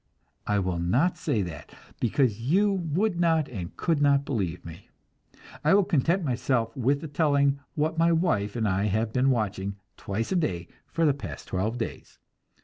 I will not say that, because you would not and could not believe me. I will content myself with telling what my wife and I have been watching, twice a day for the past twelve days.